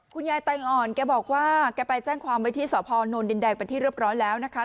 คุณยายตังอ่อนแกบอกว่าแกไปแจ้งความวิธีสาวพรโนลดินแดกเป็นที่เรียบร้อยแล้วนะคะ